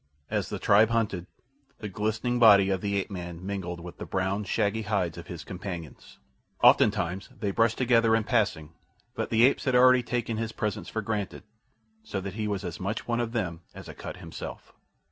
As the tribe hunted, the glistening body of the ape man mingled with the brown, shaggy hides of his companions. Oftentimes they brushed together in passing, but the apes had already taken his presence for granted, so that he was as much one of them as Akut himself.